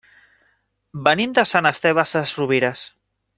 Venim de Sant Esteve Sesrovires.